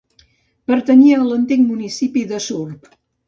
Pertanyia a l'antic municipi de Surp.